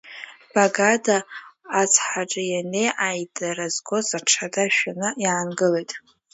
Багада ацҳаҿы ианнеи, аидара згоз аҽада шәаны иаангылеит.